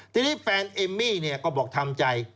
ทีนี้แฟนเอมมี่ก็บอกทำใจ